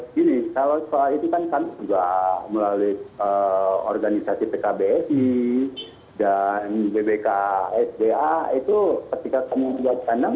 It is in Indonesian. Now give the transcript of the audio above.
gini kalau soal itu kan kami juga melalui organisasi pkb dan bbksda itu ketika kami membuat kandang